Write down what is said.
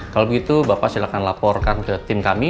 kalau begitu bapak silahkan laporkan ke tim kami